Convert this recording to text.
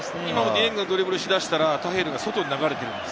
ディエングがドリブルし出したら、タヘルが外に流れている。